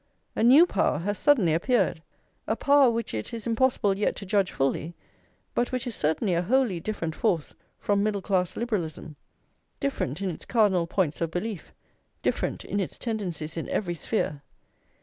A new power has suddenly appeared, a power which it is impossible yet to judge fully, but which is certainly a wholly different force from middle class liberalism; different in its cardinal points of belief, different in its tendencies in every sphere.